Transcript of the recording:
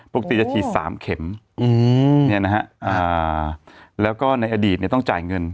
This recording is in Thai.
ปกติจะเฉียนสามเข็มเฮ้อนี่นะฮะห้ามแล้วก็ในอดีตเนี่ยต้องจ่ายเงิน